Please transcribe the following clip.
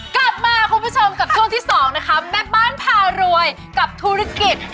กลับมาคุณผู้ชมกับช่วงที่สองนะคะแม่บ้านพารวยกับธุรกิจ